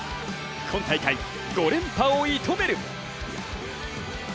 今大会、５連覇を射止める。